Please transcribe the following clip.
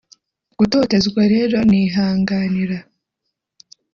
gutotezwa rero nihanganira,